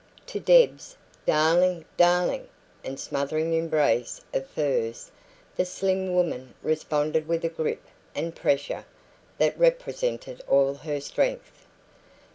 To Deb's 'Darling! darling!' and smothering embrace of furs, the slim woman responded with a grip and pressure that represented all her strength.